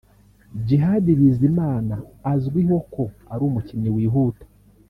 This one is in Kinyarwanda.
Djihad Bizimana azwiho ko ari umukinnyi wihuta